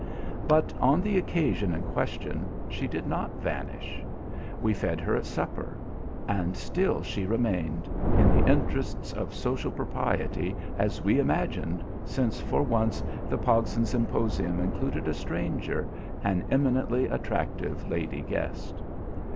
But, on the occasion in question, she did not vanish. We fed her at supper. And still she remained in the interests of social propriety, as we imagined, since for once the Pogson symposium included a stranger, an eminently attractive lady guest.